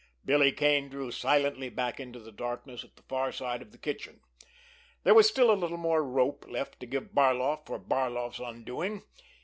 Billy Kane drew silently back into the darkness at the far side of the kitchen. There was still a little more rope left to give Barloff for Barloff's undoing!